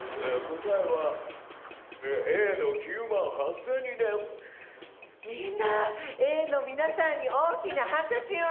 答えはみんなＡの皆さんに大きな拍手を！